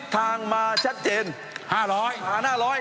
ทางมาชัดเจน๕๐๐หา๕๐๐